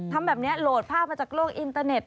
ทำแบบนี้โหลดภาพมาจากโลกอินเตอร์เน็ต